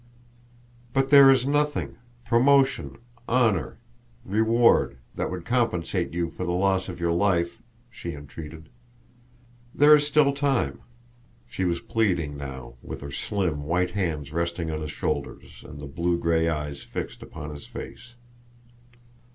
"But there is nothing, promotion, honor, reward, that would compensate you for the loss of your life," she entreated. "There is still time." She was pleading now, with her slim white hands resting on his shoulders, and the blue gray eyes fixed upon his face.